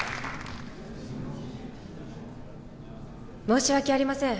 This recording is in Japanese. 申し訳ありません。